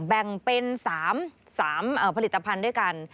แบ่งเป็น๓ผลิตภัณฑ์ด้วยกัน